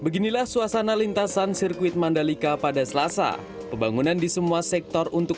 beginilah suasana lintasan sirkuit mandalika pada selasa pembangunan di semua sektor untuk